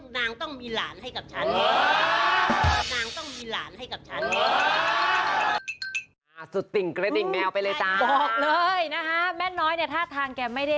นางต้องมีหลานให้กับฉัน